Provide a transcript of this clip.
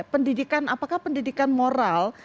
pendidikan apakah pendidikan moral